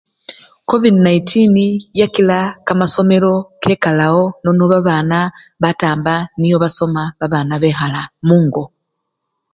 Covid-19 yakila kamasomelo kekalawo nono babana batamba niyo basoma babana bekhala mungo.